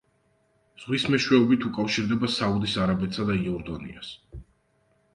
ზღვის მეშვეობით უკავშირდება საუდის არაბეთსა და იორდანიას.